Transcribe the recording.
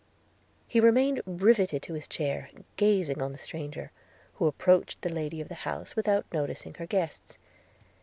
He remained riveted to his chair, gazing on the stranger, who approached the lady of the house without noticing her guests.